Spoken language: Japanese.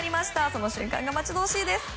その瞬間が待ち遠しいです。